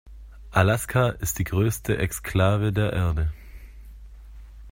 Alaska ist die größte Exklave der Erde.